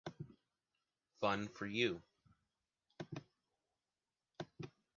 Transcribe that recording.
Fun for you.